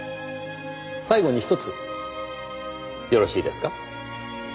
最後にひとつよろしいですか？